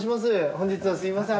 本日はすみません。